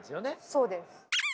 そうです。